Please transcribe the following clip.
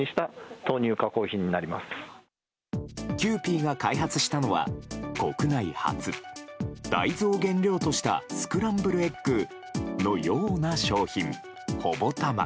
キユーピーが開発したのは国内初大豆を原料としたスクランブルエッグのような商品ＨＯＢＯＴＡＭＡ。